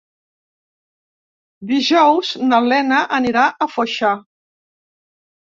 Dijous na Lena anirà a Foixà.